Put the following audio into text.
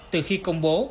từ khi công bố